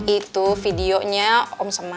itu videonya om sama